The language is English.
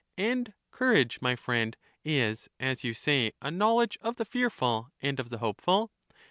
And courage, my friend, is, as you say, a knowledge of the fearful and of the hopeful?